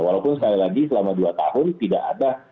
walaupun sekali lagi selama dua tahun tidak ada